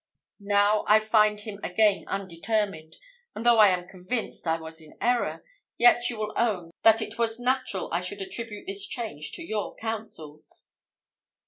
Now I find him again undetermined; and though I am convinced I was in error, yet you will own that it was natural I should attribute this change to your counsels."